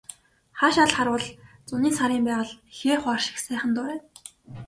Хаашаа л харвал зуны сарын байгаль хээ хуар шиг сайхан дурайна.